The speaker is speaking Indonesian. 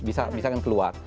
bisa akan keluar